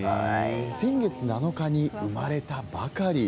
先月７日に生まれたばかり。